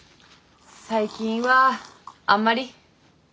最近はあんまり。